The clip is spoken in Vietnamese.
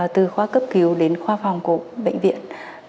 từ khoa cấp cứu đến khoa phòng của bệnh viện